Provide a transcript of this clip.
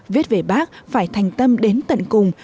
viết về bác phải thành tâm đến tận cùng